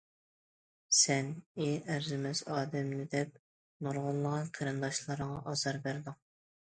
سەن ئى ئەرزىمەس ئادەمنى دەپ نۇرغۇنلىغان قېرىنداشلىرىڭغا ئازار بەردىڭ.